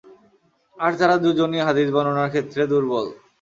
আর তারা দুজনই হাদীস বর্ণনার ক্ষেত্রে দুর্বল।